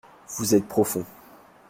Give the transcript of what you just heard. Vous êtes profond.